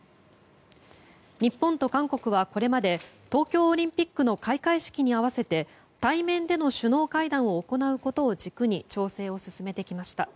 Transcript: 日本と韓国はこれまで東京オリンピックの開会式に合わせて対面での首脳会談を行うことを軸に調整を進めてきました。